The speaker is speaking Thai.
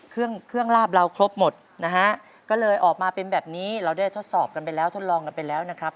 เครื่องเครื่องลาบเราครบหมดนะฮะก็เลยออกมาเป็นแบบนี้เราได้ทดสอบกันไปแล้วทดลองกันไปแล้วนะครับ